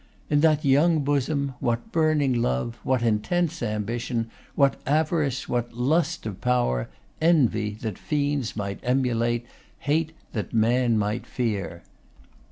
In that young bosom what burning love, what intense ambition, what avarice, what lust of power; envy that fiends might emulate, hate that man might fear!